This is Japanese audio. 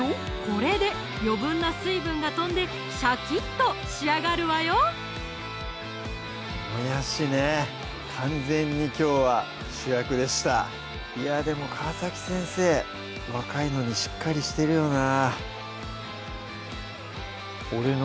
これで余分な水分が飛んでシャキッと仕上がるわよもやしね完全にきょうは主役でしたいやでも川先生若いのにしっかりしてるよな